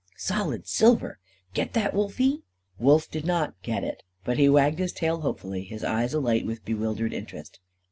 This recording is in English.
Solid silver! Get that, Wolfie?" Wolf did not "get it." But he wagged his tail hopefully, his eyes alight with bewildered interest.